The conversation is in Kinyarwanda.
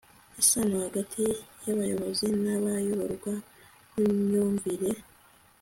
isano hagati y'abayobozi n'abayoborwa n'imyumvire)